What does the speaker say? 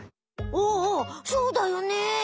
おおおおそうだよね。